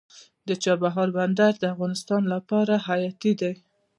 د چابهار بندر د افغانستان لپاره حیاتي دی